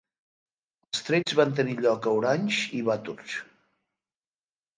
Els trets van tenir lloc a Orange i Bathurst.